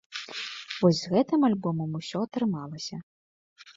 Вось з гэтым альбомам усё атрымалася.